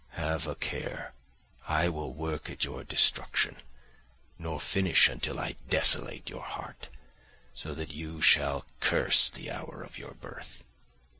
Have a care; I will work at your destruction, nor finish until I desolate your heart, so that you shall curse the hour of your birth."